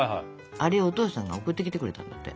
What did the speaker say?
あれお父さんが送ってきてくれたんだって。